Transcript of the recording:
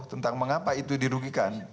tentang mengapa itu dirugikan